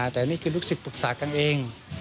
แต่นี่คือลูกศิษย์ปรึกษากันเอง